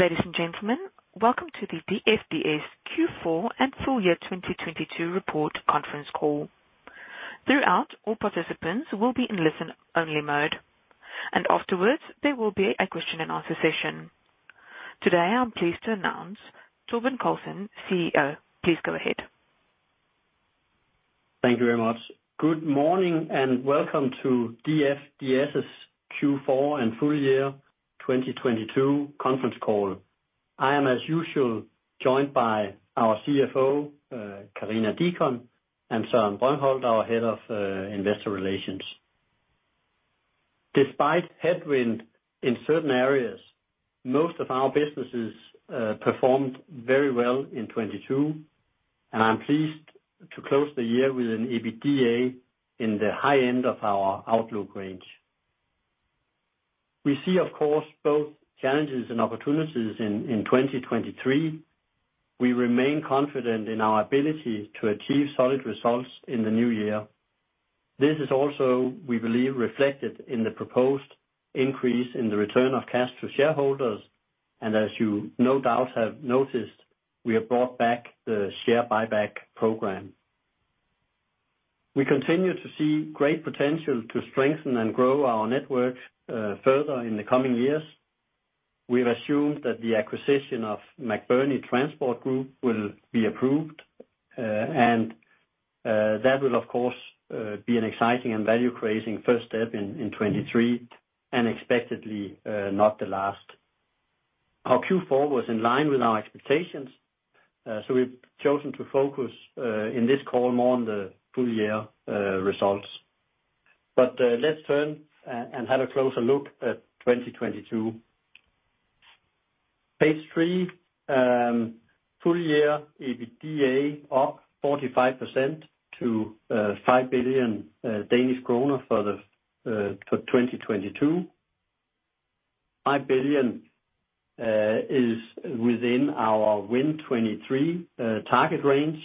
Ladies and gentlemen, welcome to the DFDS Q4 and full year 2022 report conference call. Throughout, all participants will be in listen-only mode, and afterwards there will be a question and answer session. Today, I'm pleased to announce Torben Carlsen, CEO. Please go ahead. Thank you very much. Good morning, and welcome to DFDS's Q4 and full year 2022 conference call. I am, as usual, joined by our CFO, Karina Deacon, and Søren Brøndholt, our head of investor relations. Despite headwind in certain areas, most of our businesses performed very well in 22, and I'm pleased to close the year with an EBITDA in the high end of our outlook range. We see, of course, both challenges and opportunities in 2023. We remain confident in our ability to achieve solid results in the new year. This is also, we believe, reflected in the proposed increase in the return of cash to shareholders, and as you no doubt have noticed, we have brought back the share buyback program. We continue to see great potential to strengthen and grow our network further in the coming years. We've assumed that the acquisition of McBurney Transport Group will be approved, and that will of course be an exciting and value-creating first step in 2023, and expectedly not the last. Our Q4 was in line with our expectations, we've chosen to focus in this call more on the full year results. Let's turn and have a closer look at 2022. Page 3, full year EBITDA up 45% to 5 billion Danish kroner for the to 2022. 5 billion is within our win 2023 target range,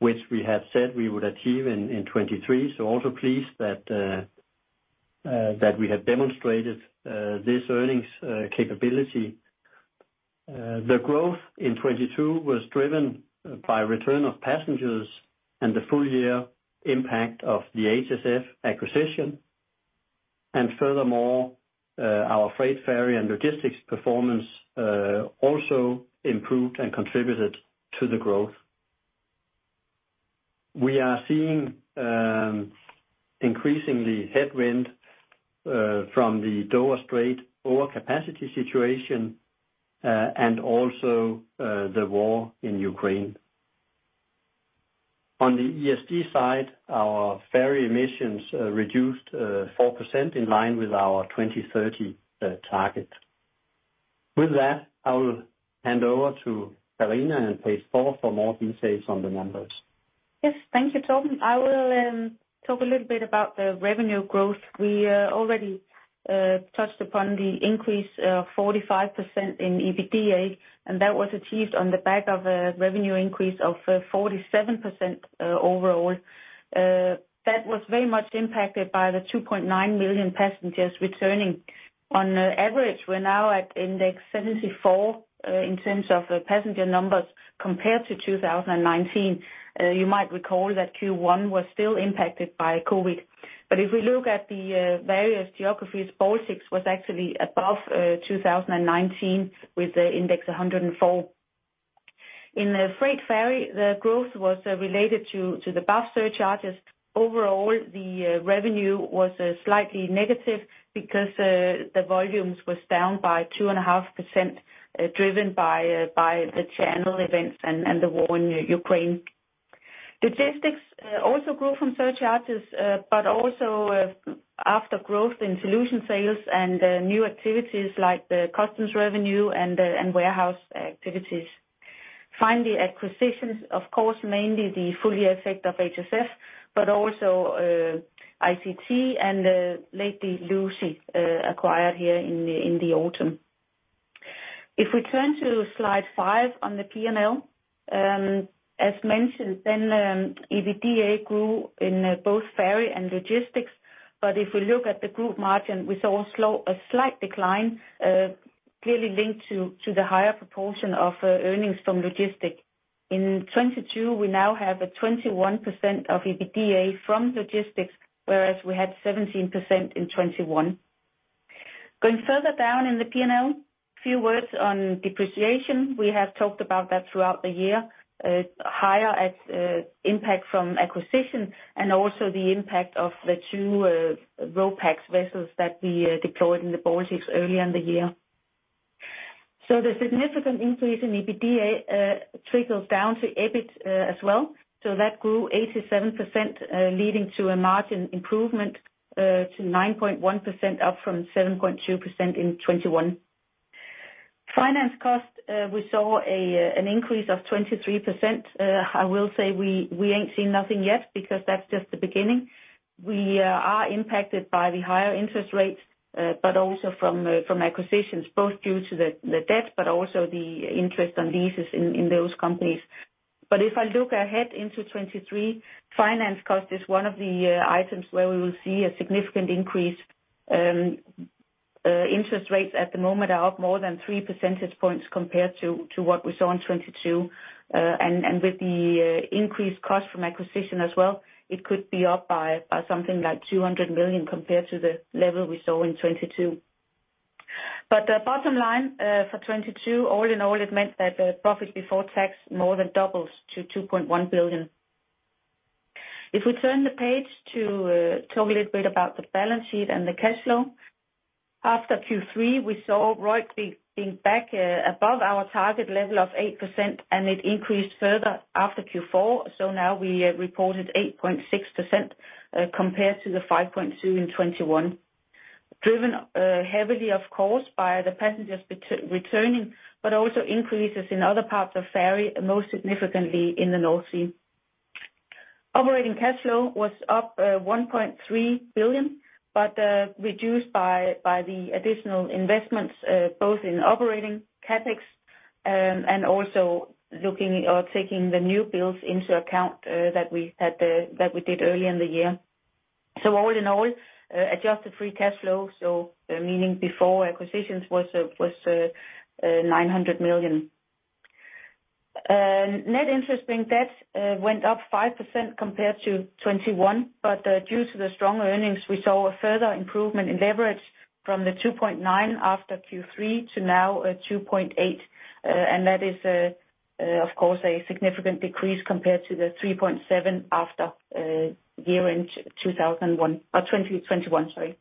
which we had said we would achieve in 2023, also pleased that we have demonstrated this earnings capability. The growth in 2022 was driven by return of passengers and the full year impact of the HSF acquisition. Furthermore, our freight ferry and logistics performance also improved and contributed to the growth. We are seeing increasingly headwind from the Dover Strait overcapacity situation and also the war in Ukraine. On the ESG side, our ferry emissions reduced 4% in line with our 2030 target. With that, I will hand over to Karina on page 4 for more details on the numbers. Yes. Thank you, Torben. I will talk a little bit about the revenue growth. We already touched upon the increase of 45% in EBITDA, and that was achieved on the back of a revenue increase of 47% overall. That was very much impacted by the 2.9 million passengers returning. On average, we're now at index 74 in terms of passenger numbers compared to 2019. You might recall that Q1 was still impacted by COVID. If we look at the various geographies, Baltics was actually above 2019 with the index 104. In the freight ferry, the growth was related to the BAF surcharges. Overall, the revenue was slightly negative because the volumes was down by 2.5%, driven by the channel events and the war in Ukraine. Logistics also grew from surcharges, but also after growth in solution sales and new activities like the customs revenue and warehouse activities. Finally, acquisitions, of course, mainly the full year effect of HSF, but also ICT and lately Lucey, acquired here in the autumn. If we turn to slide 5 on the P&L, as mentioned then, EBITDA grew in both ferry and logistics. If we look at the group margin, we saw a slight decline, clearly linked to the higher proportion of earnings from logistics. In 2022, we now have 21% of EBITDA from logistics, whereas we had 17% in 2021. Going further down in the P&L, few words on depreciation. We have talked about that throughout the year. Higher impact from acquisition and also the impact of the two RoPax vessels that we deployed in the Baltics early in the year. The significant increase in EBITDA trickles down to EBIT as well. That grew 87% leading to a margin improvement to 9.1% up from 7.2% in 2021. Finance cost, we saw an increase of 23%. I will say we ain't seen nothing yet because that's just the beginning. We are impacted by the higher interest rates, but also from acquisitions, both due to the debt, but also the interest on leases in those companies. If I look ahead into 2023, finance cost is one of the items where we will see a significant increase. Interest rates at the moment are up more than 3 percentage points compared to what we saw in 2022. And with the increased cost from acquisition as well, it could be up by something like 200 million compared to the level we saw in 2022. The bottom line for 2022, all in all, it meant that profits before tax more than doubles to 2.1 billion. We turn the page to talk a little bit about the balance sheet and the cash flow. After Q3, we saw ROIC being back above our target level of 8%, and it increased further after Q4. Now we reported 8.6% compared to the 5.2% in 2021. Driven heavily of course, by the passengers returning, but also increases in other parts of ferry, most significantly in the North Sea. Operating cash flow was up 1.3 billion, but reduced by the additional investments, both in operating CapEx, and also looking or taking the new builds into account that we had that we did early in the year. All in all, adjusted free cash flow, meaning before acquisitions was 900 million. Net interest-bearing debt went up 5% compared to 2021. Due to the strong earnings, we saw a further improvement in leverage from the 2.9 after Q3 to now 2.8. That is, of course, a significant decrease compared to the 3.7 after year-end 2021, sorry.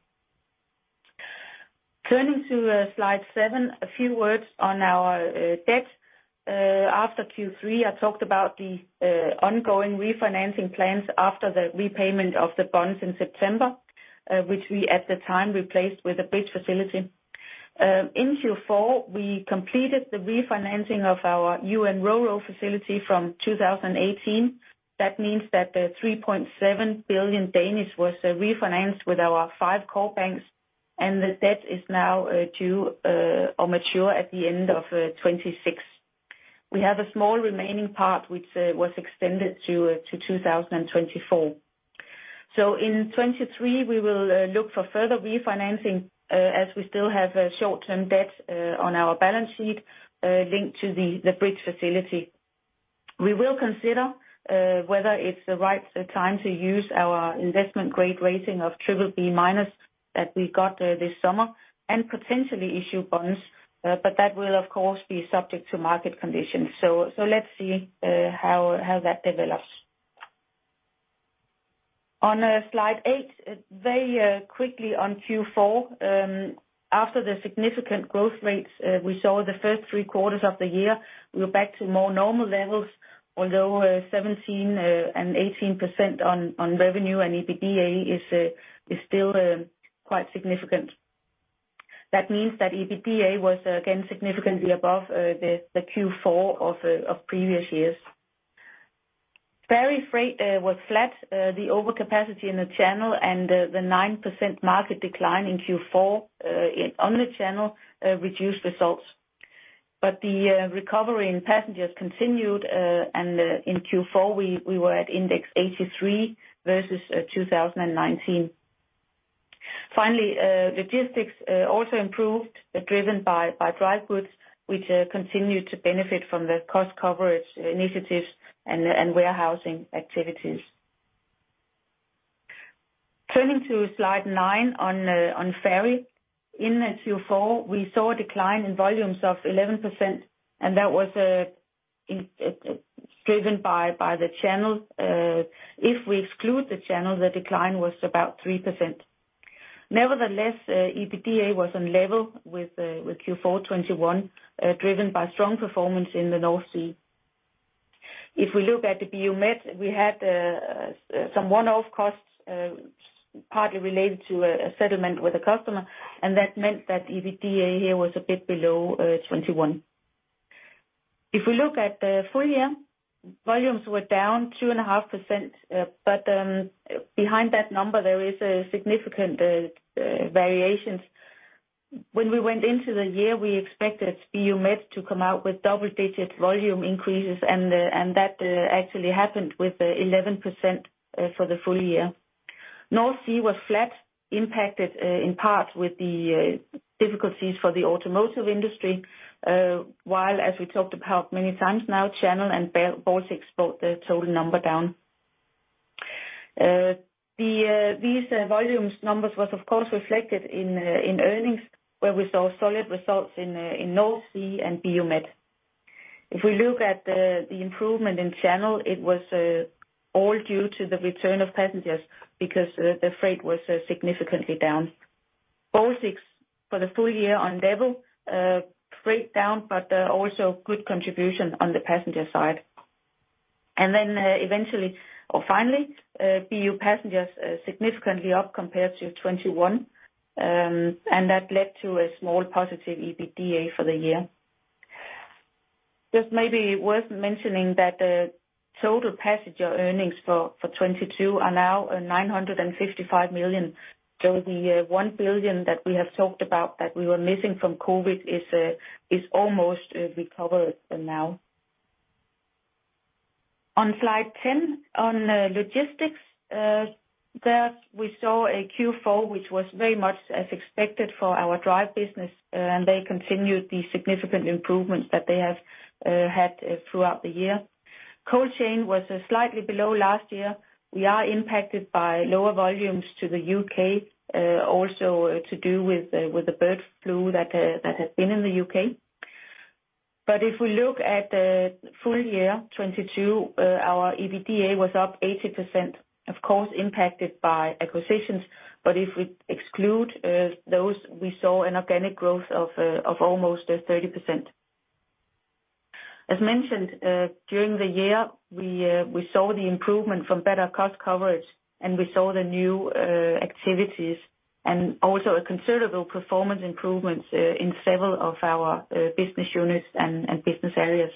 Turning to slide 7, a few words on our debt. After Q3, I talked about the ongoing refinancing plans after the repayment of the bonds in September, which we at the time replaced with a bridge facility. In Q4, we completed the refinancing of our U.N. Ro-Ro facility from 2018. That means that the 3.7 billion was refinanced with our five core banks, and the debt is now due or mature at the end of 2026. We have a small remaining part which was extended to 2024. In 2023, we will look for further refinancing as we still have a short-term debt on our balance sheet linked to the bridge facility. We will consider whether it's the right time to use our investment-grade rating of BBB- that we got this summer and potentially issue bonds, but that will of course be subject to market conditions. Let's see how that develops. On slide 8, very quickly on Q4. After the significant growth rates we saw the first 3 quarters of the year, we're back to more normal levels. Although 17% and 18% on revenue and EBITDA is still quite significant. That means that EBITDA was again significantly above the Q4 of previous years. Ferry freight was flat. The overcapacity in the channel and the 9% market decline in Q4 on the channel reduced results. The recovery in passengers continued, and in Q4, we were at index 83 versus 2019. Finally, logistics also improved, driven by dry goods, which continued to benefit from the cost coverage initiatives and warehousing activities. Turning to slide 9 on ferry. In Q4, we saw a decline in volumes of 11%, and that was driven by the channel. If we exclude the channel, the decline was about 3%. Nevertheless, EBITDA was on level with Q4 2021, driven by strong performance in the North Sea. If we look at the BU Med, we had some one-off costs, partly related to a settlement with a customer, and that meant that EBITDA here was a bit below 2021. If we look at the full year, volumes were down 2.5%. Behind that number, there is a significant variations. When we went into the year, we expected BU Med to come out with double-digit volume increases, and that actually happened with 11% for the full year. North Sea was flat, impacted in part with the difficulties for the automotive industry, while as we talked about many times now, Channel and Baltics brought the total number down. The these volumes numbers was of course reflected in earnings, where we saw solid results in North Sea and BU Med. If we look at the improvement in Channel, it was all due to the return of passengers because the freight was significantly down. Baltics for the full year on level, freight down, but also good contribution on the passenger side. Eventually or finally BU Passenger significantly up compared to 2021. That led to a small positive EBITDA for the year. Just maybe worth mentioning that Total passenger earnings for 2022 are now 955 million. The 1 billion that we have talked about that we were missing from COVID is almost recovered now. On slide 10, on logistics, there we saw a Q4, which was very much as expected for our drive business, and they continued the significant improvements that they have had throughout the year. Cold chain was slightly below last year. We are impacted by lower volumes to the UK, also to do with the bird flu that has been in the UK. If we look at the full year 2022, our EBITDA was up 80%, of course, impacted by acquisitions. If we exclude those, we saw an organic growth of almost 30%. As mentioned, during the year, we saw the improvement from better cost coverage, and we saw the new activities, and also a considerable performance improvements in several of our business units and business areas.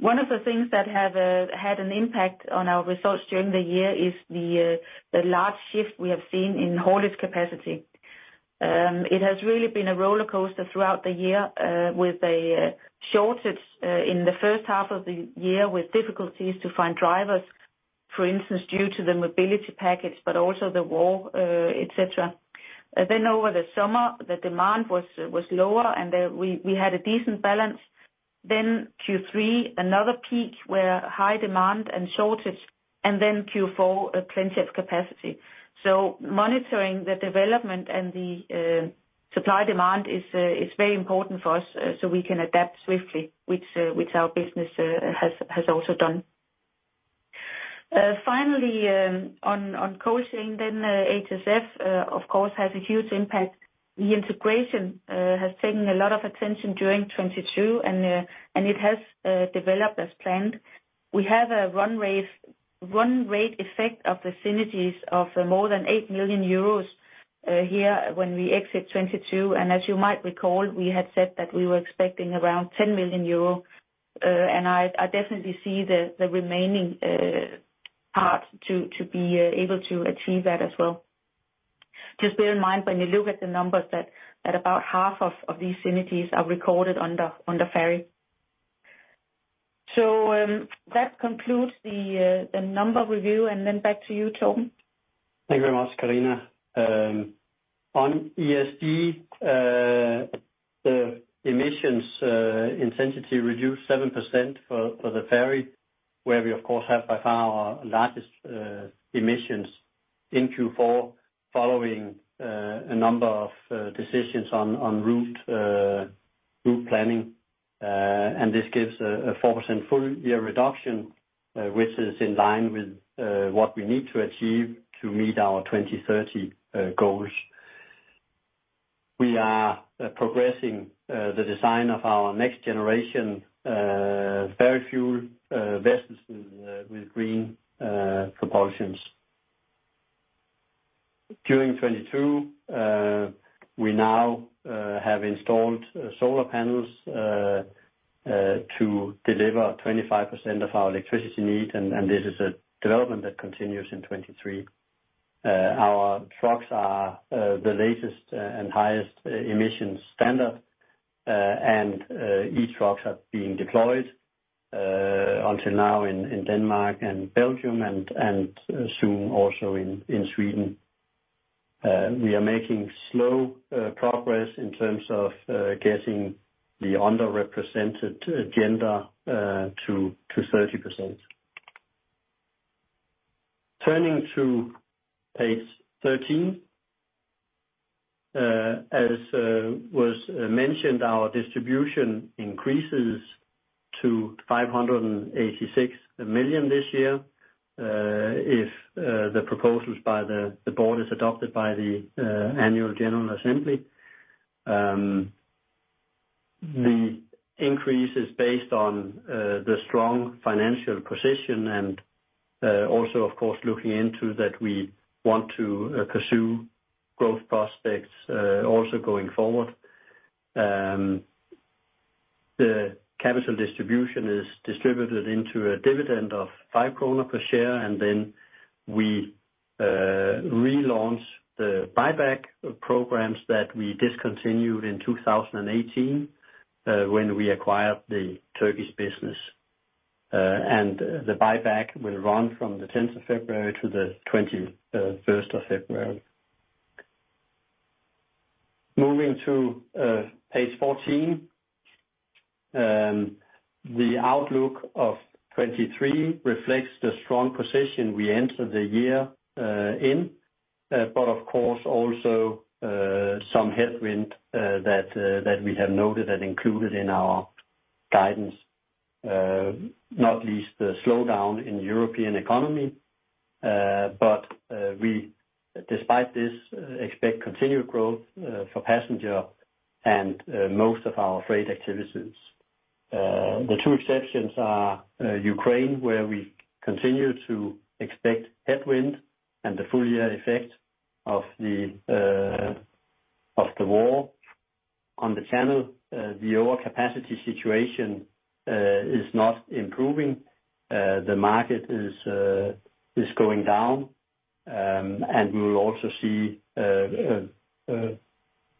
One of the things that have had an impact on our results during the year is the large shift we have seen in haulage capacity. It has really been a rollercoaster throughout the year, with a shortage in the first half of the year, with difficulties to find drivers, for instance, due to the Mobility Package but also the war, et cetera. Over the summer, the demand was lower, and we had a decent balance. Q3, another peak, where high demand and shortage, and then Q4, a plenty of capacity. Monitoring the development and the supply demand is very important for us so we can adapt swiftly, which our business has also done. Finally, on coaching then, HSF of course has a huge impact. The integration has taken a lot of attention during 2022, and it has developed as planned. We have a run rate effect of the synergies of more than 8 million euros here when we exit 2022. As you might recall, we had said that we were expecting around 10 million euro, and I definitely see the remaining path to be able to achieve that as well. Just bear in mind when you look at the numbers that about half of these synergies are recorded on the ferry. That concludes the number review, and then back to you, Torben. Thank you very much, Karina. On ESG, the emissions intensity reduced 7% for the ferry, where we of course have by far our largest emissions in Q4, following a number of decisions on route planning. This gives a 4% full-year reduction, which is in line with what we need to achieve to meet our 2030 goals. We are progressing the design of our next generation ferry fuel vessels with green propulsions. During 2022, we now have installed solar panels to deliver 25% of our electricity need, and this is a development that continues in 2023. Our trucks are the latest and highest emissions standard, and each trucks are being deployed until now in Denmark and Belgium and soon also in Sweden. We are making slow progress in terms of getting the underrepresented gender to 30%. Turning to page 13. As was mentioned, our distribution increases to 586 million this year if the proposals by the board is adopted by the annual general assembly. The increase is based on the strong financial position and also, of course, looking into that we want to pursue growth prospects also going forward. The capital distribution is distributed into a dividend of 5 kroner per share. We relaunch the buyback programs that we discontinued in 2018 when we acquired the Turkish business. The buyback will run from the 10th of February to the 21st of February. Moving to page 14. The outlook of 2023 reflects the strong position we enter the year in. Of course, also some headwind that we have noted and included in our guidance. Not least the slowdown in European economy. We despite this expect continued growth for passenger and most of our freight activities. The two exceptions are Ukraine, where we continue to expect headwind and the full year effect of the war on the Channel, the overcapacity situation is not improving. The market is going down. We will also see a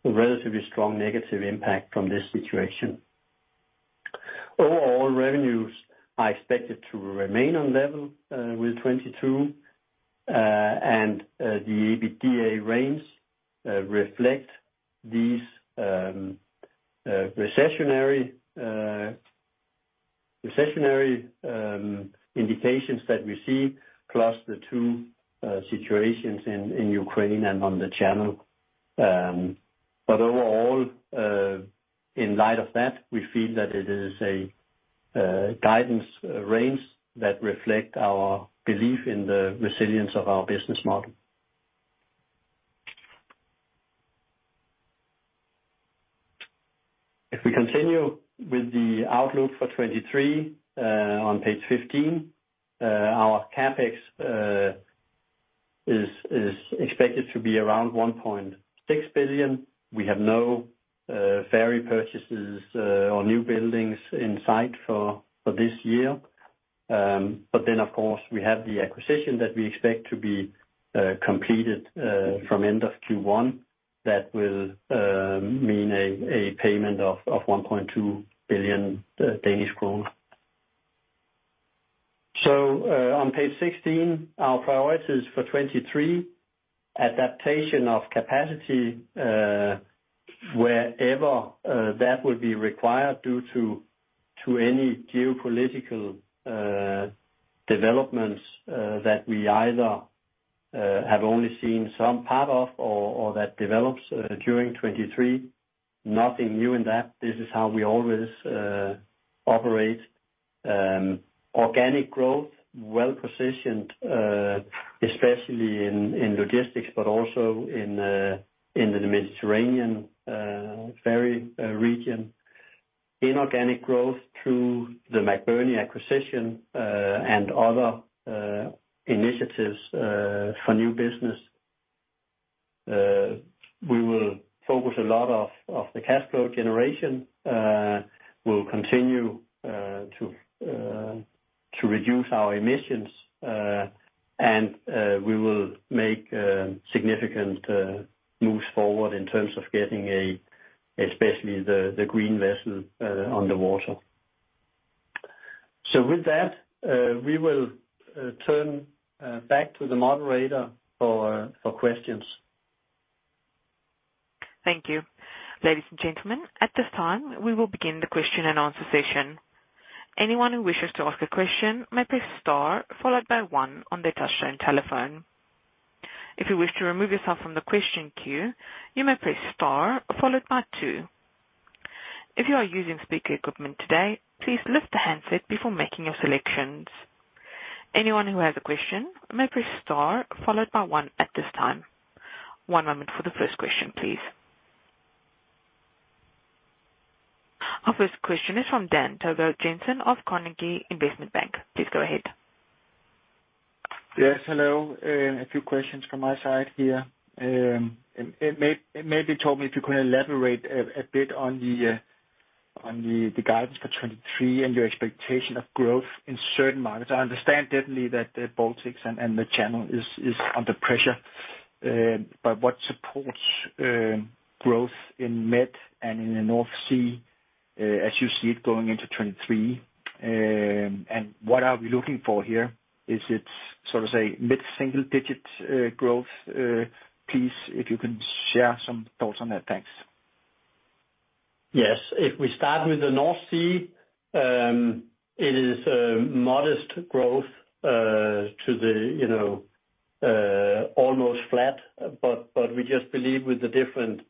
relatively strong negative impact from this situation. Overall revenues are expected to remain on level with 2022, and the EBITDA range reflect these recessionary indications that we see, plus the two situations in Ukraine and on the Channel. Overall, in light of that, we feel that it is a guidance range that reflect our belief in the resilience of our business model. If we continue with the outlook for 2023, on page 15, our CapEx is expected to be around 1.6 billion. We have no ferry purchases or new buildings in sight for this year. Of course, we have the acquisition that we expect to be completed from end of Q1. That will mean a payment of 1.2 billion Danish kroner. On page 16, our priorities for 2023, adaptation of capacity, wherever that would be required due to any geopolitical developments that we either have only seen some part of or that develops during 2023. Nothing new in that. This is how we always operate. Organic growth, well-positioned, especially in logistics, but also in the Mediterranean, ferry region. Inorganic growth through the McBurney acquisition, and other initiatives, for new business. We will focus a lot of the cash flow generation, we'll continue to reduce our emissions, and we will make significant moves forward in terms of getting a, especially the green vessel, on the water. With that, we will turn back to the moderator for questions. Thank you. Ladies and gentlemen, at this time, we will begin the question and answer session. Anyone who wishes to ask a question may press star followed by 1 on their touch tone telephone. If you wish to remove yourself from the question queue, you may press star followed by 2. If you are using speaker equipment today, please lift the handset before making your selections. Anyone who has a question may press star followed by 1 at this time. One moment for the first question, please. Our first question is from Dan Togo Jensen of Carnegie Investment Bank. Please go ahead. Yes, hello. A few questions from my side here. It may be told me if you could elaborate a bit on the guidance for 2023 and your expectation of growth in certain markets. I understand definitely that the Baltics and the Channel is under pressure. But what supports growth in Med and in the North Sea as you see it going into 2023? What are we looking for here? Is it sort of, say, mid-single digit growth? Please, if you can share some thoughts on that. Thanks. Yes. If we start with the North Sea, it is a modest growth, you know, almost flat. We just believe with the different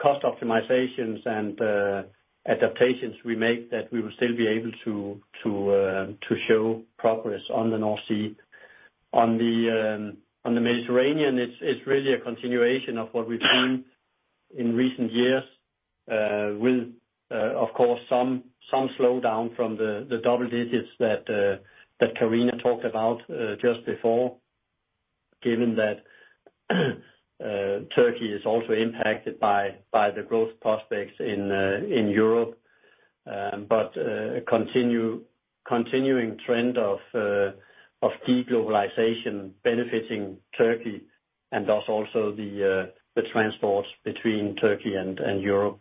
cost optimizations and adaptations we make, that we will still be able to show progress on the North Sea. On the Mediterranean, it's really a continuation of what we've seen in recent years, with of course, some slowdown from the double-digits that Karina talked about just before. Given that Turkey is also impacted by the growth prospects in Europe. Continuing trend of de-globalization benefiting Turkey and thus also the transports between Turkey and Europe.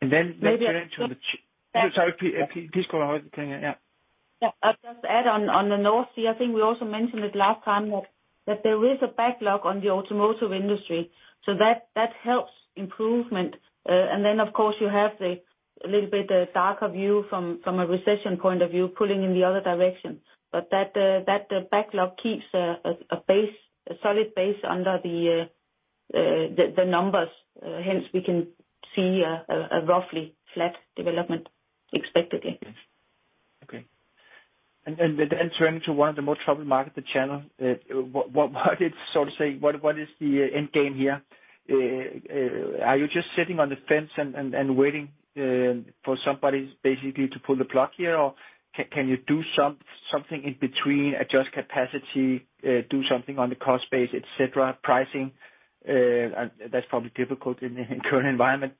Maybe I Sorry, please go ahead, Karina. Yeah. Yeah. I'll just add on the North Sea, I think we also mentioned it last time that there is a backlog on the automotive industry, so that helps improvement. Of course, you have the little bit darker view from a recession point of view pulling in the other direction. That backlog keeps a base, a solid base under the numbers. Hence we can see a roughly flat development expected, yes. Okay. Then turning to one of the more troubled market, the Channel. What is, sort of say, what is the end game here? Are you just sitting on the fence and waiting for somebody basically to pull the plug here, or can you do something in between, adjust capacity, do something on the cost base, et cetera, pricing? That's probably difficult in the current environment.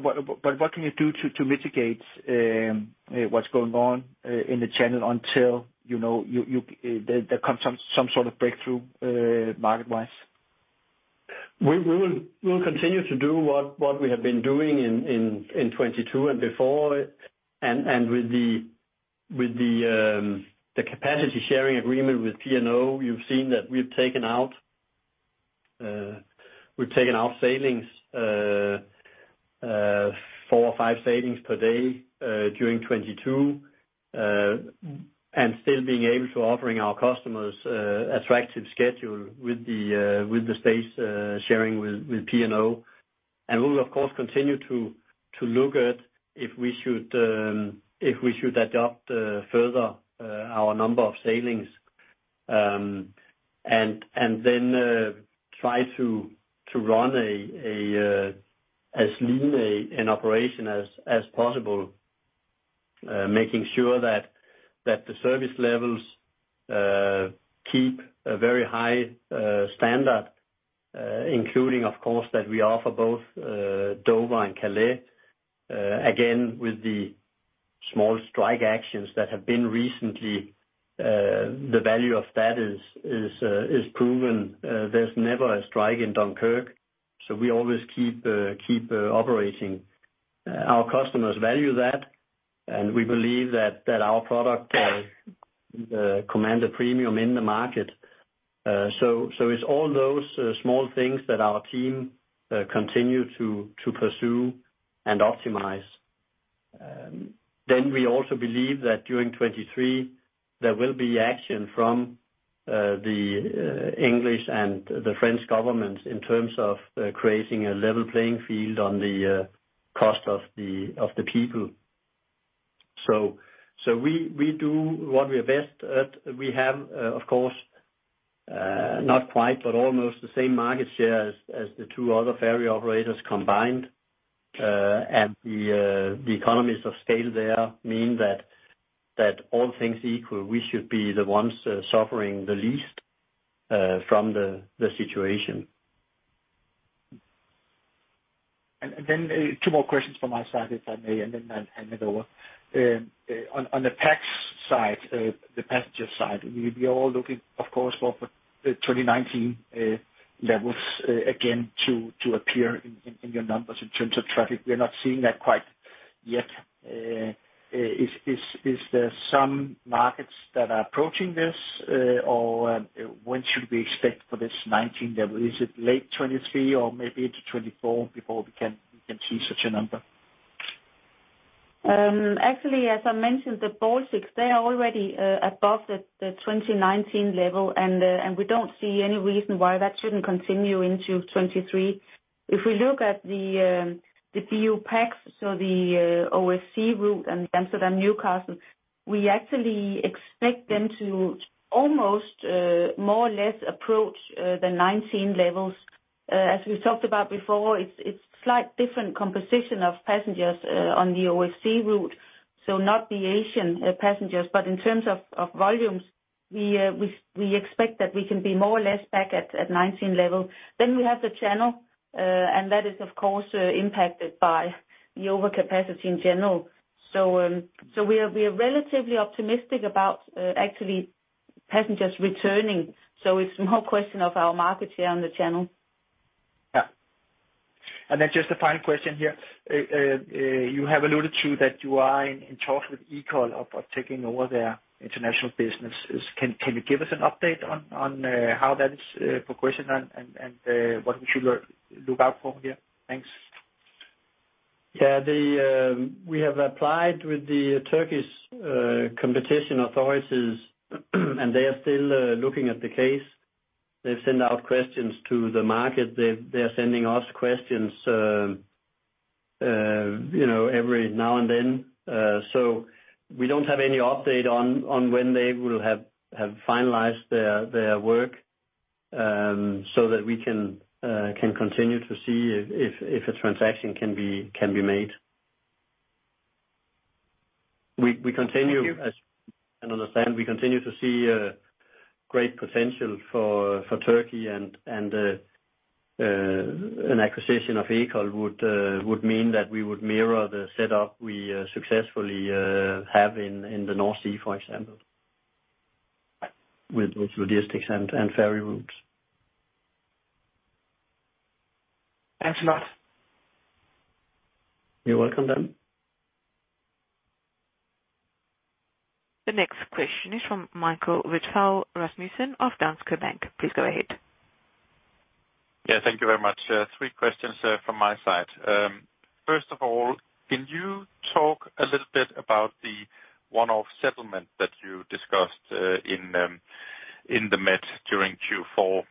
What can you do to mitigate what's going on in the Channel until, you know, there comes some sort of breakthrough market-wise? We will continue to do what we have been doing in 2022 and before. With the capacity sharing agreement with P&O, you've seen that we've taken out, we've taken out sailings, 4 or 5 sailings per day during 2022. Still being able to offering our customers attractive schedule with the space sharing with P&O. We will, of course, continue to look at if we should adopt further our number of sailings and then try to run as lean an operation as possible, making sure that the service levels keep a very high standard, including of course that we offer both Dover and Calais. Again, with the small strike actions that have been recently, the value of that is proven. There's never a strike in Dunkirk, so we always keep operating. Our customers value that, and we believe that our product command a premium in the market. It's all those small things that our team continue to pursue and optimize. We also believe that during 23 there will be action from the English and the French governments in terms of creating a level playing field on the cost of the people. We do what we are best at. We have of course not quite, but almost the same market share as the 2 other ferry operators combined. The economies of scale there mean that all things equal, we should be the ones suffering the least from the situation. Two more questions from my side, if I may, and then I'll hand it over. On the Pax side, the passenger side, we'll be all looking, of course, for the 2019 levels again to appear in your numbers in terms of traffic. We're not seeing that quite yet. Is there some markets that are approaching this, or when should we expect for this 2019 level? Is it late 2023 or maybe into 2024 before we can see such a number? Actually, as I mentioned, the Baltics, they are already above the 2019 level. We don't see any reason why that shouldn't continue into 2023. If we look at the BU Passenger, so the Oslo-copenhagen route and Amsterdam, Newcastle, we actually expect them to almost more or less approach the 2019 levels. As we talked about before, it's slight different composition of passengers on the OSC route, so not the Asian passengers. In terms of volumes, we expect that we can be more or less back at 2019 level. We have the Channel, and that is of course impacted by the overcapacity in general. We are relatively optimistic about actually passengers returning. It's more a question of our market share on the Channel. Yeah. Just a final question here. You have alluded to that you are in talks with Ekol of taking over their international businesses. Can you give us an update on how that is progressing and what we should look out for here? Thanks. Yeah. The, we have applied with the Turkish competition authorities. They are still looking at the case. They've sent out questions to the market. They're sending us questions, you know, every now and then. We don't have any update on when they will have finalized their work, so that we can continue to see if a transaction can be made. We continue as- Thank you. Understand we continue to see great potential for Turkey and an acquisition of Ekol would mean that we would mirror the setup we successfully have in the North Sea, for example, with logistics and ferry routes. Thanks a lot. You're welcome, Dan. The next question is from Michael Vitfell-Rasmussen of Danske Bank. Please go ahead. Yeah. Thank you very much. 3 questions from my side. First of all, can you talk a little bit about the one-off settlement that you discussed in in the BU Med during Q4?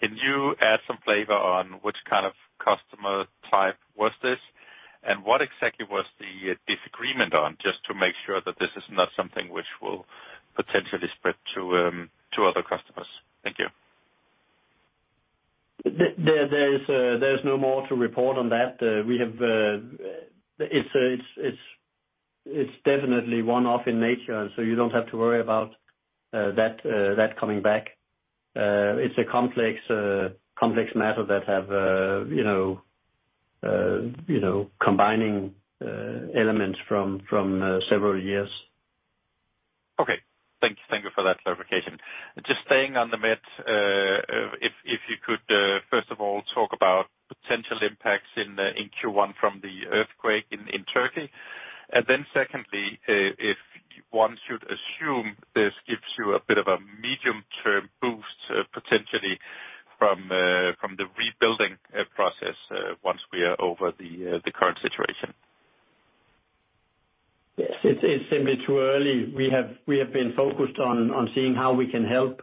Can you add some flavor on which kind of customer type was this? And what exactly was the disagreement on? Just to make sure that this is not something which will potentially spread to to other customers. Thank you. There is, there's no more to report on that. It's definitely one-off in nature, so you don't have to worry about that coming back. It's a complex matter that have, you know, combining elements from several years. Okay. Thank you. Thank you for that clarification. Just staying on the Med, if you could first of all, talk about potential impacts in Q1 from the earthquake in Turkey. Then secondly, if one should assume this gives you a bit of a medium-term boost, potentially from the rebuilding process, once we are over the current situation. Yes. It's simply too early. We have been focused on seeing how we can help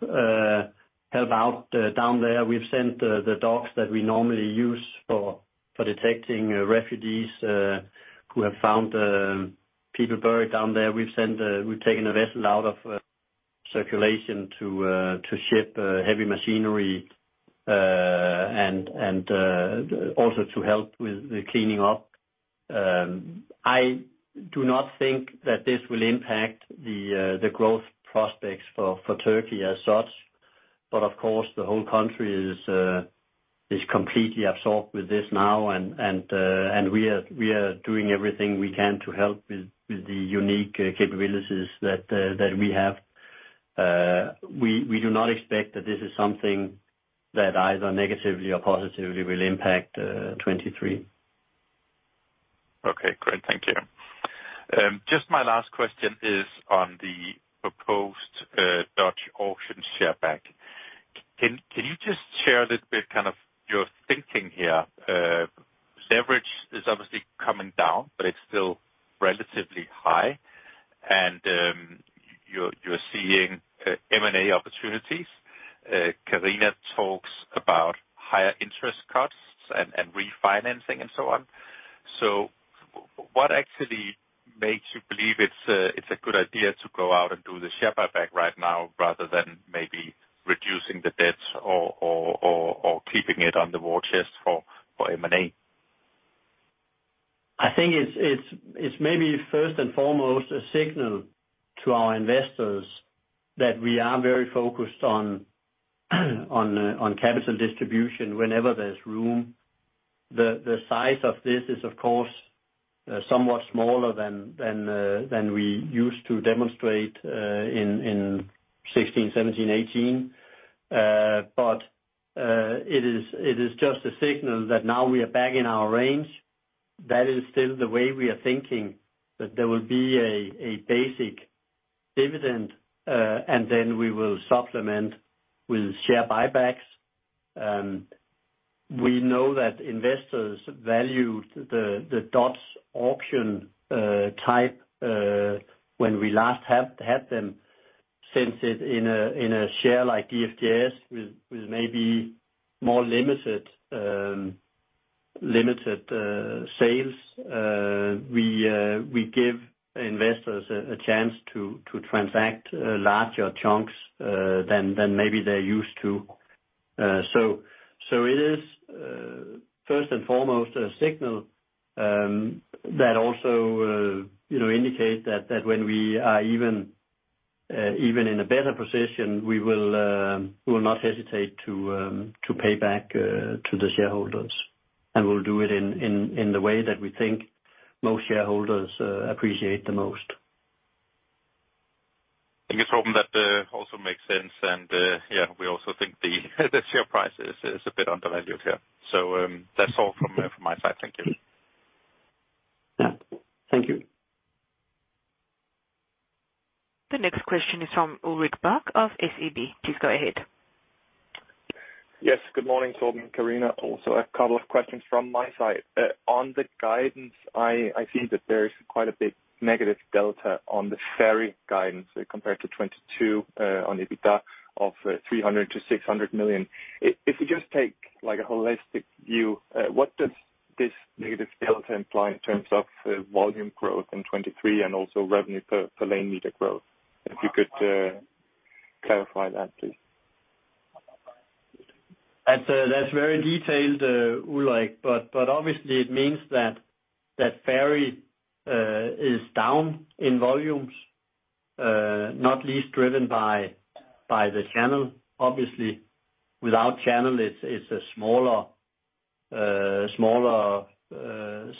out down there. We've sent the docks that we normally use for detecting refugees who have found people buried down there. We've sent, we've taken a vessel out of circulation to ship heavy machinery and also to help with the cleaning up. I do not think that this will impact the growth prospects for Turkey as such, but of course, the whole country is completely absorbed with this now. We are doing everything we can to help with the unique capabilities that we have. We do not expect that this is something that either negatively or positively will impact, 2023. Okay, great. Thank you. Just my last question is on the proposed Dutch auction share buyback. Can you just share a little bit, kind of your thinking here? Leverage is obviously coming down, but it's still relatively high. You're seeing M&A opportunities. Karina talks about higher interest costs and refinancing and so on. What actually makes you believe it's a good idea to go out and do the share buyback right now, rather than maybe reducing the debt or keeping it on the war chest for M&A? I think it's maybe first and foremost a signal to our investors that we are very focused on capital distribution whenever there's room. The size of this is, of course, somewhat smaller than we used to demonstrate in 2016, 2017, 2018. It is just a signal that now we are back in our range. That is still the way we are thinking, that there will be a basic dividend, and then we will supplement with share buybacks. We know that investors value the Dutch auction type when we last had them, since it, in a share like DFDS with maybe more limited sales, we give investors a chance to transact larger chunks than maybe they're used to. So it is first and foremost a signal that also, you know, indicates that when we are even in a better position, we will not hesitate to pay back to the shareholders. We'll do it in the way that we think most shareholders appreciate the most. Thank you, Torben. That also makes sense. Yeah, we also think the share price is a bit undervalued here. That's all from my side. Thank you. Yeah. Thank you. The next question is from Ulrich Bach of SEB. Please go ahead. Good morning, Torben and Karina. Also a couple of questions from my side. On the guidance, I see that there is quite a bit negative delta on the ferry guidance compared to 2022, on EBITDA of 300 million-600 million. If you just take, like, a holistic view, what does this negative delta imply in terms of volume growth in 2023 and also revenue per lane meter growth? If you could clarify that, please. That's very detailed, Ulrich, but obviously it means that ferry is down in volumes, not least driven by the channel. Obviously, without channel, it's a smaller,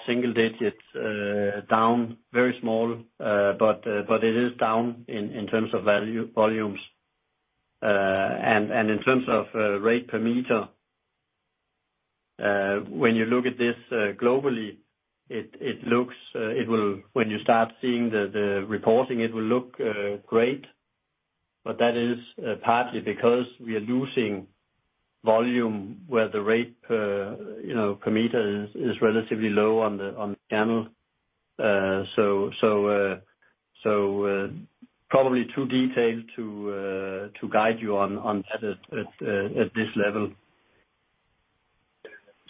single-digit down, very small. But it is down in terms of value, volumes. And in terms of rate per meter, when you look at this globally, it looks. When you start seeing the reporting, it will look great. That is partly because we are losing volume where the rate, you know, per meter is relatively low on the channel. Probably too detailed to guide you on at this level.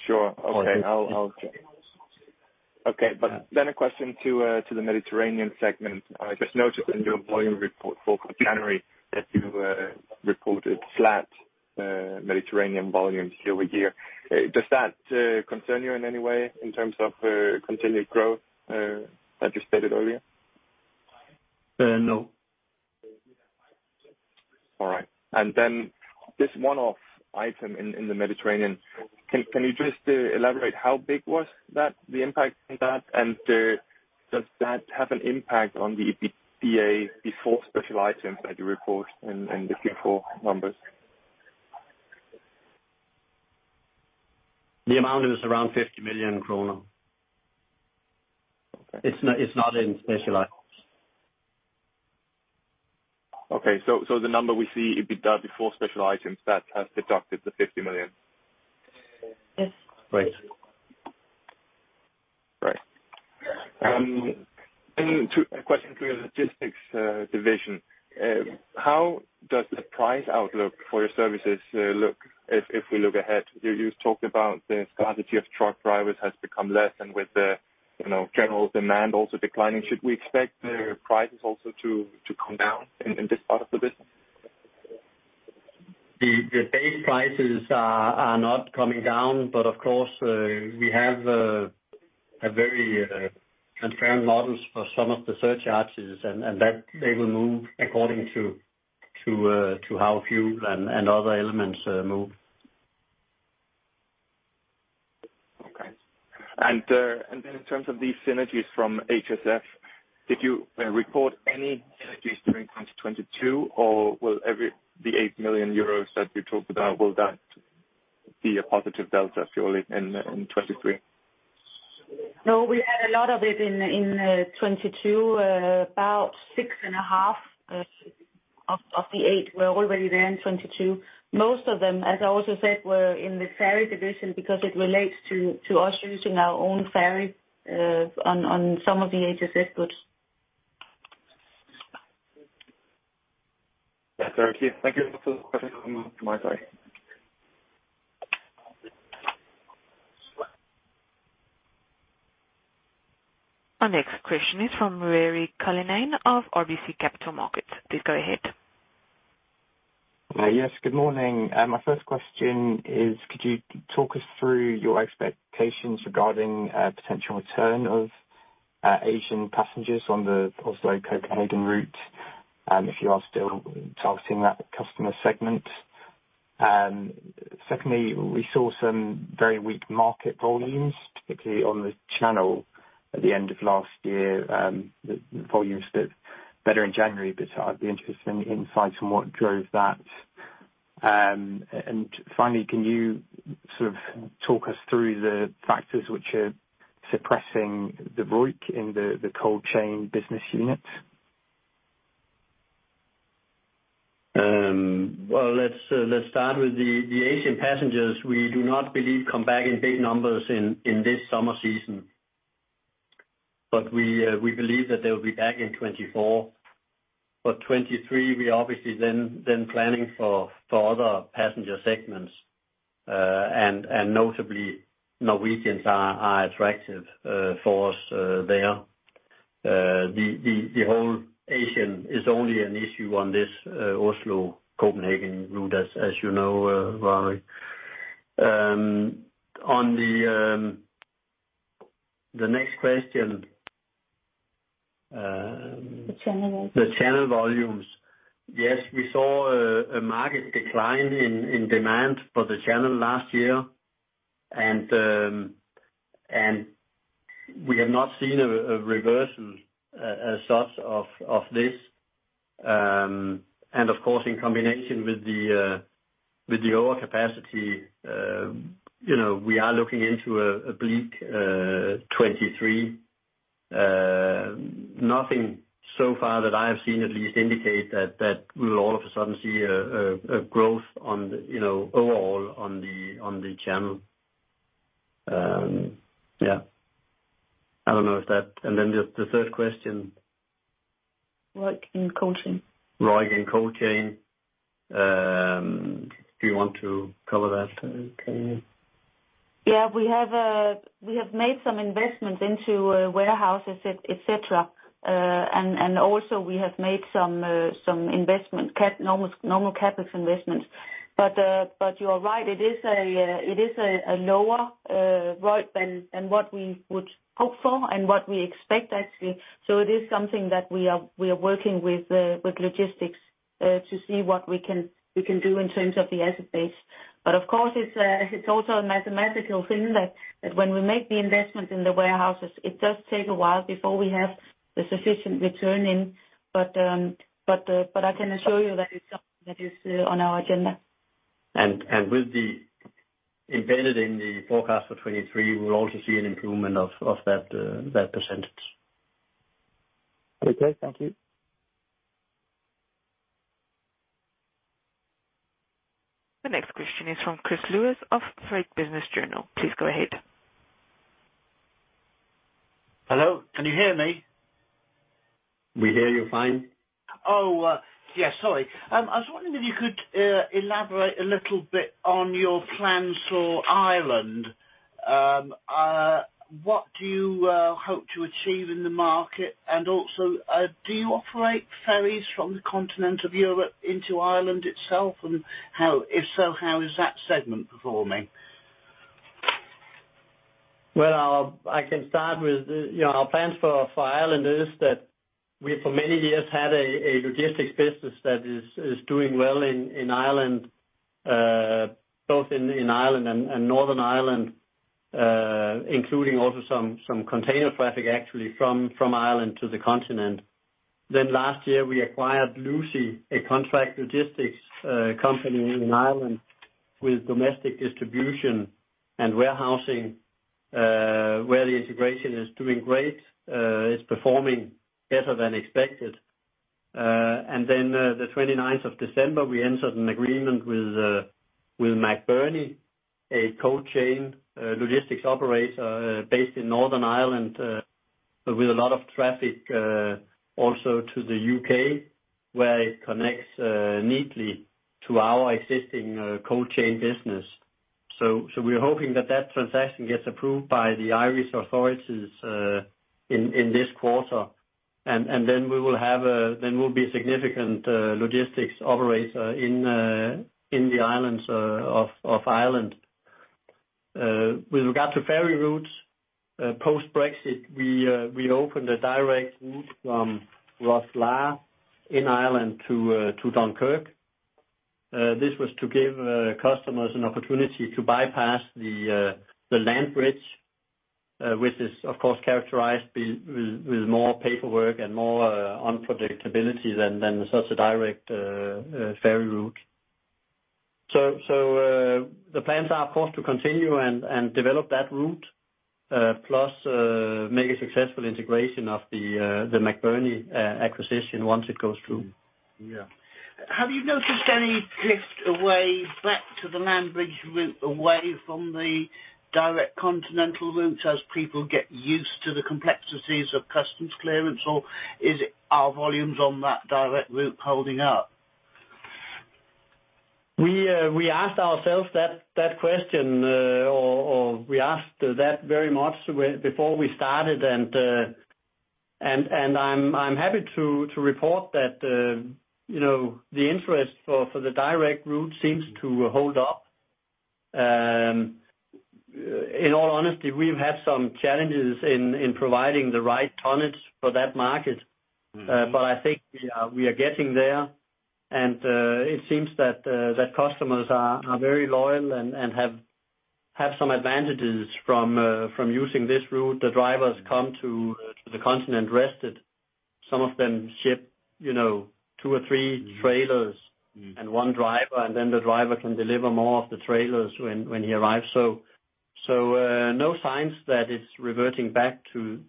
Sure. Okay. A question to the Mediterranean segment. I just noticed in your volume report for January that you reported flat Mediterranean volumes year-over-year. Does that concern you in any way in terms of continued growth like you stated earlier? No. All right. Then this one-off item in the Mediterranean, can you just elaborate how big was that, the impact from that? Does that have an impact on the EBITDA before special items that you report in the Q4 numbers? The amount is around 50 million kroner. Okay. It's not in special items. Okay. The number we see, EBITDA before special items, that has deducted the 50 million? Yes. Right. Right. To a question to your logistics division. How does the price outlook for your services look if we look ahead? You talked about the scarcity of truck drivers has become less and with the, you know, general demand also declining, should we expect the prices also to come down in this part of the business? The base prices are not coming down. Of course, we have a very confirmed models for some of the surcharges and that they will move according to how fuel and other elements move. Okay. In terms of these synergies from HSF, did you report any synergies during 2022? Will the 8 million euros that you talked about, will that be a positive delta purely in 2023? No, we had a lot of it in 2022. About 6.5 million of the 8 million were already there in 2022. Most of them, as I also said, were in the ferry division because it relates to us using our own ferry on some of the HSF goods. Yes, very clear. Thank you. That's all the questions from my side. Our next question is from Ruairi Cullinane of RBC Capital Markets. Please go ahead. Yes, good morning. My first question is could you talk us through your expectations regarding potential return of Asian passengers on the Oslo-Copenhagen route, if you are still targeting that customer segment? Secondly, we saw some very weak market volumes, particularly on the channel at the end of last year. The volumes looked better in January, but I'd be interested in insight on what drove that. Finally, can you sort of talk us through the factors which are suppressing the ROIC in the cold chain business unit? Well, let's start with the Asian passengers we do not believe come back in big numbers in this summer season. We believe that they will be back in 2024. 2023, we're obviously planning for other passenger segments. Notably Norwegians are attractive for us there. The whole Asian is only an issue on this Oslo-Copenhagen route as you know, Rari. On the next question. The channel volumes. The channel volumes. Yes, we saw a market decline in demand for the channel last year. We have not seen a reversal as such of this. Of course, in combination with the lower capacity, you know, we are looking into a bleak 2023. Nothing so far that I have seen at least indicate that we'll all of a sudden see a growth on the, you know, overall on the channel. Yeah. I don't know if that... Then the third question. ROIC in cold chain. ROIC in cold chain. Do you want to cover that, Karin? Yeah. We have made some investments into warehouses. Also we have made some CapEx investments. You are right, it is a lower ROIC than what we would hope for and what we expect actually. It is something that we are working with logistics to see what we can do in terms of the asset base. Of course, it's also a mathematical thing that when we make the investment in the warehouses, it does take a while before we have the sufficient return in. I can assure you that it's something that is on our agenda. With the embedded in the forecast for 2023, we'll also see an improvement of that %. Okay. Thank you. The next question is from Chris Lewis of Freight Business Journal. Please go ahead. Hello. Can you hear me? We hear you fine. Yes, sorry. I was wondering if you could elaborate a little bit on your plans for Ireland. What do you hope to achieve in the market? Also, do you operate ferries from the continent of Europe into Ireland itself? If so, how is that segment performing? Well, I can start with, you know, our plans for Ireland is that we've for many years had a logistics business that is doing well in Ireland. Both in Ireland and Northern Ireland, including also some container traffic actually from Ireland to the continent. Last year we acquired Lucey, a contract logistics company in Ireland with domestic distribution and warehousing, where the integration is doing great. It's performing better than expected. The 29th of December, we entered an agreement with McBurney, a cold chain logistics operator based in Northern Ireland, but with a lot of traffic also to the UK, where it connects neatly to our existing cold chain business. We are hoping that that transaction gets approved by the Irish authorities in this quarter. Then we'll be a significant logistics operator in the islands of Ireland. With regard to ferry routes, post-Brexit, we opened a direct route from Rosslare in Ireland to Dunkirk. This was to give customers an opportunity to bypass the land bridge, which is of course characterized with more paperwork and more unpredictability than such a direct ferry route. The plans are, of course, to continue and develop that route, plus make a successful integration of the McBurney acquisition once it goes through. Yeah. Have you noticed any drift away back to the land bridge route away from the direct continental routes as people get used to the complexities of customs clearance, or are volumes on that direct route holding up? We asked ourselves that question, or we asked that very much before we started. I'm happy to report that, you know, the interest for the direct route seems to hold up. In all honesty, we've had some challenges in providing the right tonnage for that market. Mm-hmm. But I think we are getting there. It seems that customers are very loyal and have some advantages from using this route. The drivers come to the continent rested. Some of them ship, you know, two or three trailers- Mm. one driver, and then the driver can deliver more of the trailers when he arrives. No signs that it's reverting back to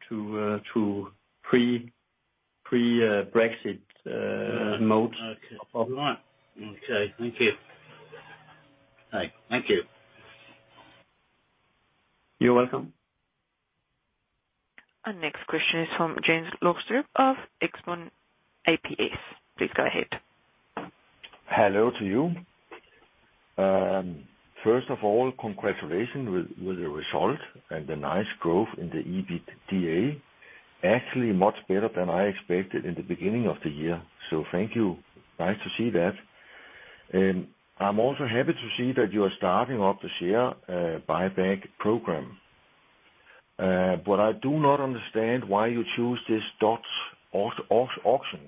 pre-Brexit mode. Okay. All right. Okay. Thank you. All right. Thank you. You're welcome. Our next question is from Jens Løgstrup of Expon ApS. Please go ahead. Hello to you. First of all, congratulations with the result and the nice growth in the EBITDA. Actually, much better than I expected in the beginning of the year. Thank you. Nice to see that. I'm also happy to see that you are starting off this year a buyback program. I do not understand why you choose this Dutch auction.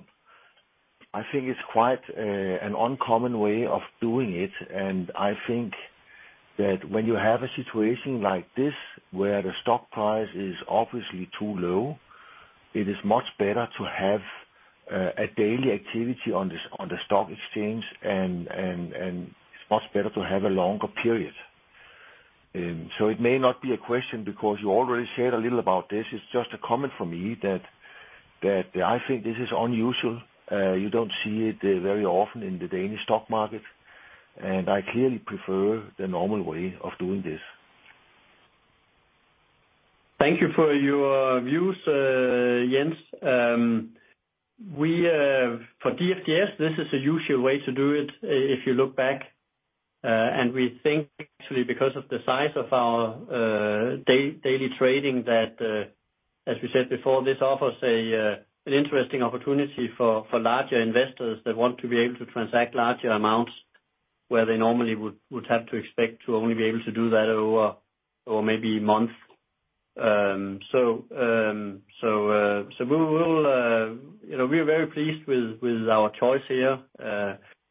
I think it's quite an uncommon way of doing it, and I think that when you have a situation like this where the stock price is obviously too low, it is much better to have a daily activity on the stock exchange and it's much better to have a longer period. It may not be a question because you already shared a little about this. It's just a comment from me that I think this is unusual. You don't see it very often in the Danish stock market, and I clearly prefer the normal way of doing this. Thank you for your views, Jens. We, for DFDS, this is a usual way to do it if you look back. We think actually because of the size of our daily trading that, as we said before, this offers an interesting opportunity for larger investors that want to be able to transact larger amounts where they normally would have to expect to only be able to do that over maybe months. We will, you know, we are very pleased with our choice here.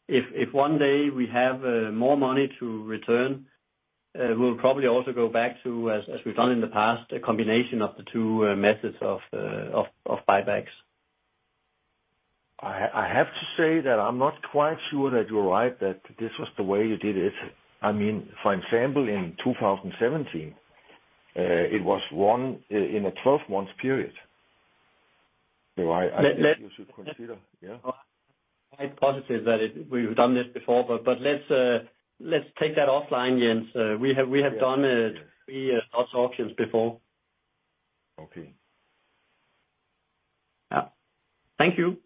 If one day we have more money to return, we'll probably also go back to, as we've done in the past, a combination of the two methods of buybacks. I have to say that I'm not quite sure that you're right that this was the way you did it. I mean, for example, in 2017, it was 1 in a 12 months period. No, I think you should consider, yeah. I'm positive that we've done this before. Let's take that offline, Jens. We have done pre-stock options before. Okay. Yeah. Thank you.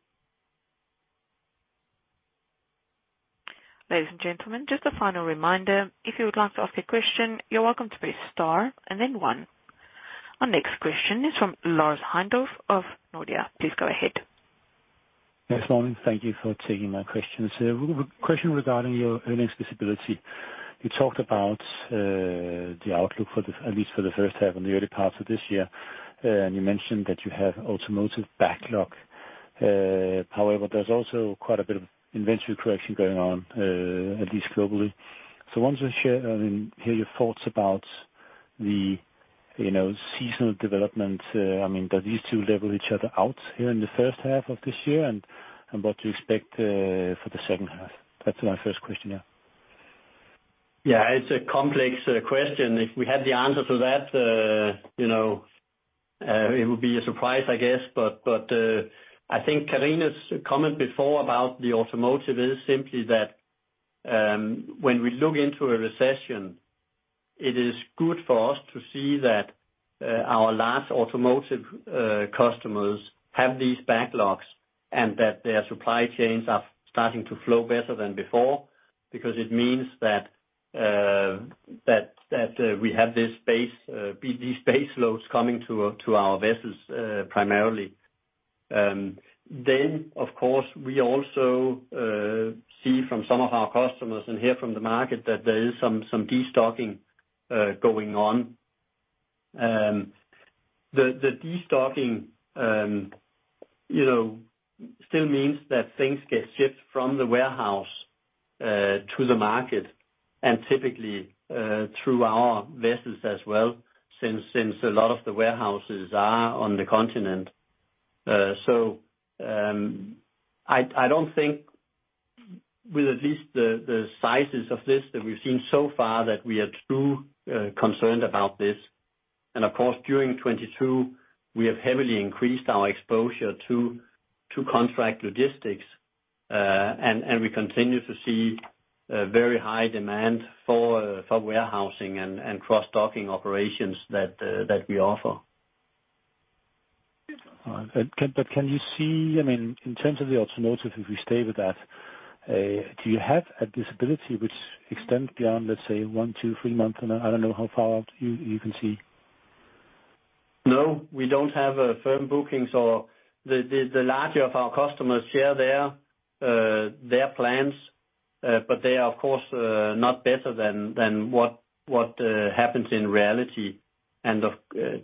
Ladies and gentlemen, just a final reminder, if you would like to ask a question, you're welcome to press star and then one. Our next question is from Lars Heindorff of Nordea. Please go ahead. Yes. Morning. Thank you for taking my questions. A question regarding your earnings visibility. You talked about the outlook for the at least for the first half and the early parts of this year. You mentioned that you have automotive backlog. However, there's also quite a bit of inventory correction going on at least globally. Wanted to share, I mean, hear your thoughts about the, you know, seasonal development. I mean, do these two level each other out here in the first half of this year, and what to expect for the second half? That's my first question, yeah. It's a complex question. If we had the answer to that, you know, it would be a surprise, I guess. I think Karina's comment before about the automotive is simply that, when we look into a recession, it is good for us to see that our large automotive customers have these backlogs, and that their supply chains are starting to flow better than before. It means that we have this space, these space loads coming to our vessels, primarily. Of course, we also see from some of our customers and hear from the market that there is some destocking going on. The destocking, you know, still means that things get shipped from the warehouse to the market and typically through our vessels as well since a lot of the warehouses are on the continent. I don't think with at least the sizes of this that we've seen so far that we are too concerned about this. Of course, during 2022, we have heavily increased our exposure to contract logistics. We continue to see a very high demand for warehousing and cross-docking operations that we offer. All right. Can you see, I mean, in terms of the automotive, if we stay with that, do you have a disability which extends beyond, let's say, one to three months? I don't know how far out you can see. No, we don't have firm bookings or. The larger of our customers share their plans, but they are, of course, not better than what happens in reality. Of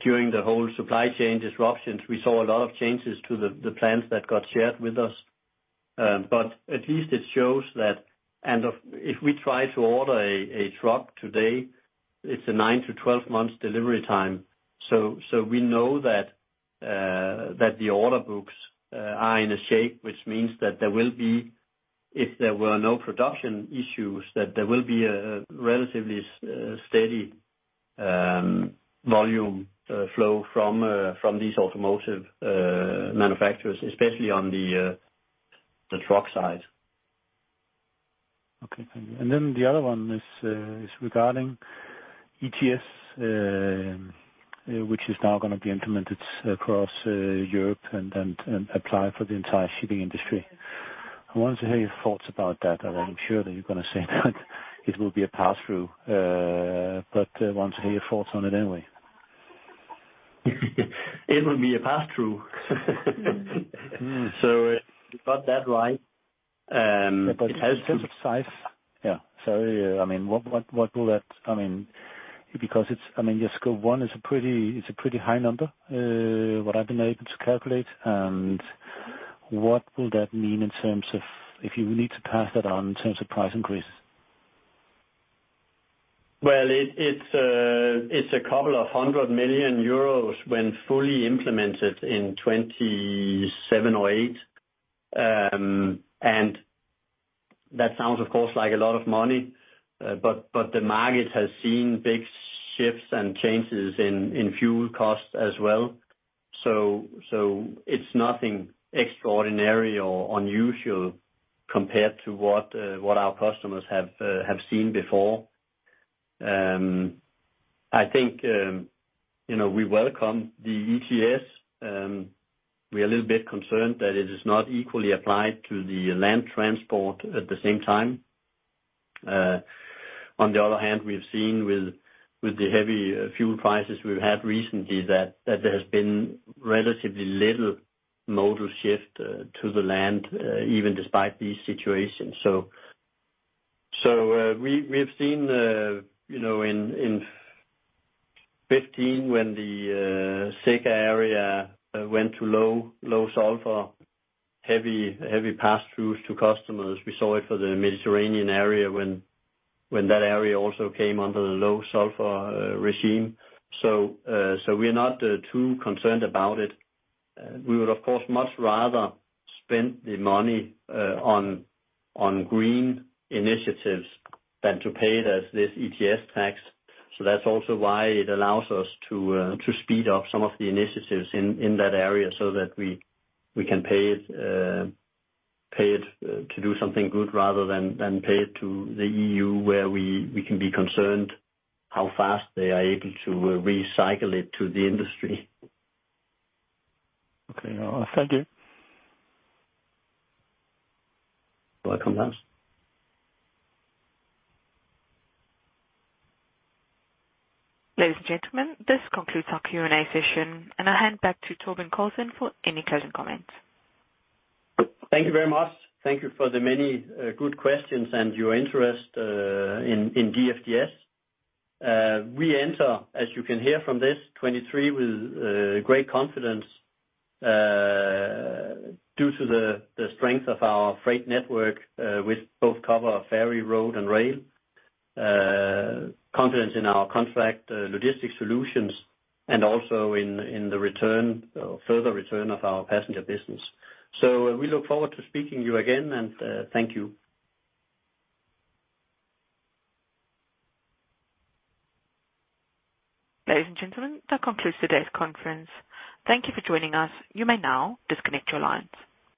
during the whole supply chain disruptions, we saw a lot of changes to the plans that got shared with us. At least it shows that end of. If we try to order a truck today, it's a 9-12 months delivery time. We know that the order books are in a shape which means that there will be, if there were no production issues, that there will be a relatively steady volume flow from these automotive manufacturers, especially on the truck side. Okay, thank you. The other one is regarding ETS, which is now gonna be implemented across Europe and apply for the entire shipping industry. I wanted to hear your thoughts about that. I'm sure that you're gonna say that it will be a pass-through. I want to hear your thoughts on it anyway. It will be a pass-through. You got that right. Yeah, but in terms of size. Yeah. I mean, because it's, I mean, your Scope 1 is a pretty high number, what I've been able to calculate. What will that mean in terms of if you need to pass that on in terms of price increases? Well, it's a couple of hundred million EUR when fully implemented in 2027 or 2028. That sounds, of course, like a lot of money. The market has seen big shifts and changes in fuel costs as well. It's nothing extraordinary or unusual compared to what our customers have seen before. I think, you know, we welcome the ETS. We are a little bit concerned that it is not equally applied to the land transport at the same time. On the other hand, we've seen with the heavy fuel prices we've had recently that there has been relatively little modal shift to the land even despite these situations. We've seen, you know, in 2015 when the SECA area went to low sulfur, heavy pass-throughs to customers. We saw it for the Mediterranean area when that area also came under the low sulfur regime. We're not too concerned about it. We would, of course, much rather spend the money on green initiatives than to pay it as this ETS tax. That's also why it allows us to speed up some of the initiatives in that area so that we can pay it to do something good rather than pay it to the EU, where we can be concerned how fast they are able to recycle it to the industry. Thank you. Welcome, Lars. Ladies and gentlemen, this concludes our Q&A session, and I hand back to Torben Carlsen for any closing comments. Thank you very much. Thank you for the many good questions and your interest in DFDS. We enter, as you can hear from this, 2023 with great confidence due to the strength of our freight network, which both cover ferry, road, and rail. Confidence in our contract logistics solutions and also in the return, further return of our passenger business. We look forward to speaking to you again, and thank you. Ladies and gentlemen, that concludes today's conference. Thank you for joining us. You may now disconnect your lines.